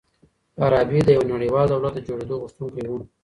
فارابي د يوه نړيوال دولت د جوړېدو غوښتونکی و.